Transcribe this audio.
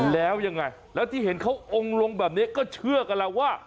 แล้วยังไงแล้วที่เห็นเขาองค์ลงแบบนี้ก็เชื่อกันแล้วว่า